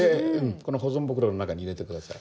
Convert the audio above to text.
この保存袋の中に入れて下さい。